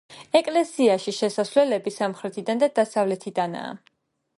ეკლესიაში შესასვლელები სამხრეთიდან და დასავლეთიდანაა.